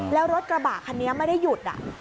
แล้วรถกระบะคันนี้ไม่ได้หยุด